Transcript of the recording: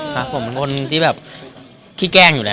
ออกไปรับงานผู้นะ